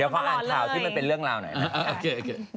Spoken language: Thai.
เดี๋ยวขออันข่าวที่มันเป็นเรื่องราวหน่อยนะค่ะ